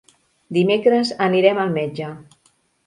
Dimecres anirem al metge.